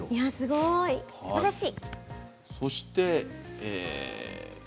すばらしい。